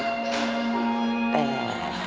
แต่